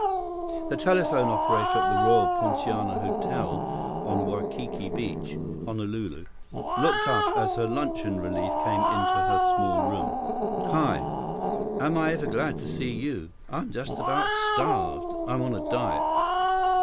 The telephone operator at the Royal Poinciana Hotel on Waikiki Beach, Honolulu, looked up as her luncheon relief came into her small room. "Hi. Am I ever glad to see you! I'm just about starved. I'm on a diet.